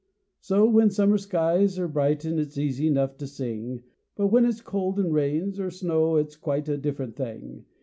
So when the summer skies 're bright it's easy 'nough t' sing; But when it's cold 'nd rains 'r snows it's quite a diff'rent thing.